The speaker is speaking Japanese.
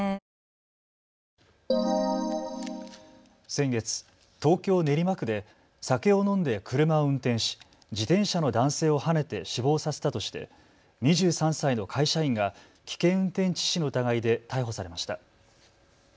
先月、東京練馬区で酒を飲んで車を運転し自転車の男性をはねて死亡させたとして２３歳の会社員が危険運転致死の疑いで逮捕されました。